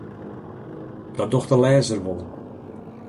Dat docht de lêzer wol.